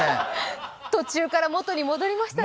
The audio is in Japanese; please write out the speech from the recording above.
途中から元に戻りましたね。